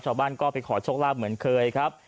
ชาวบ้านก็ไปขอโชคลาภเหมือนเคยครับ